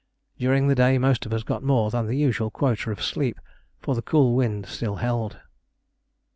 During the day most of us got more than the usual quota of sleep, for the cool wind still held.